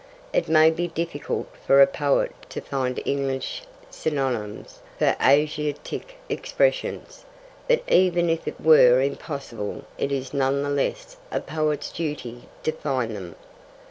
It may be difficult for a poet to find English synonyms for Asiatic expressions, but even if it were impossible it is none the less a poet's duty to find them.